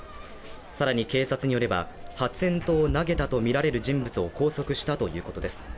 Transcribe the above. さらに警察によれば、発煙筒を投げたとみられる人物を拘束したということです。